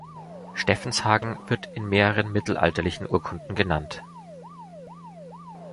Steffenshagen wird in mehreren mittelalterlichen Urkunden genannt.